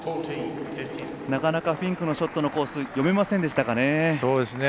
なかなかフィンクのショットのコース読めませんでしたかね。